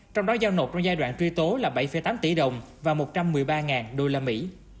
trong đó giao nộp trong giai đoạn truy tố là bảy tám tỷ đồng và một trăm một mươi ba đô la mỹ